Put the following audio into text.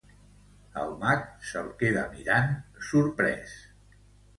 El mag se'l queda mirant, sorprès.